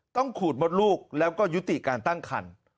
ขูดมดลูกแล้วก็ยุติการตั้งคัน